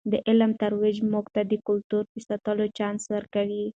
د علم ترویج موږ ته د کلتور د ساتلو چانس ورکوي.